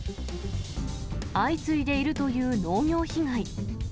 相次いでいるという農業被害。